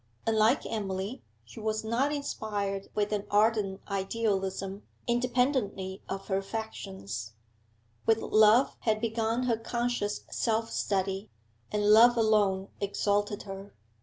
Unlike Emily, she was not inspired with an ardent idealism independently of her affections; with love had begun her conscious self study, and love alone exalted her.